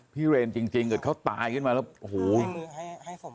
พิเรนจริงเกิดเขาตายขึ้นมาแล้ว